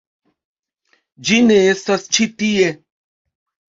Ĝi ne estas ĉi tie